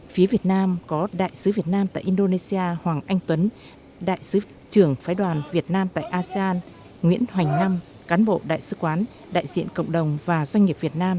phía việt nam có đại sứ việt nam tại indonesia hoàng anh tuấn đại sứ trưởng phái đoàn việt nam tại asean nguyễn hoành năm cán bộ đại sứ quán đại diện cộng đồng và doanh nghiệp việt nam